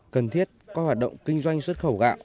cần thiết các hoạt động kinh doanh xuất khẩu gạo